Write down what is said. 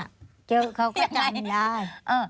เขาก็จำได้